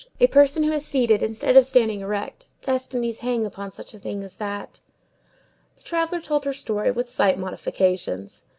A person who is seated instead of standing erect—destinies hang upon such a thing as that. The traveller told her story, with slight modifications.